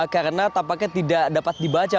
karena tampaknya tidak dapat dibaca